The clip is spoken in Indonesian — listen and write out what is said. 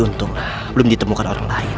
untung belum ditemukan orang lain